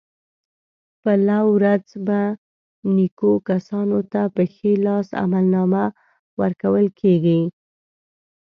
په لو ورځ به نېکو کسانو ته په ښي لاس عملنامه ورکول کېږي.